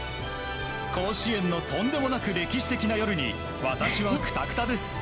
甲子園のとんでもなく歴史的な夜に私はくたくたです。